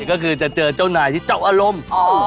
ก็คือจะเจอเจ้านายที่เจ้าอารมณ์